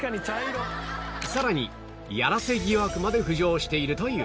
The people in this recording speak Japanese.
さらにヤラセ疑惑まで浮上しているという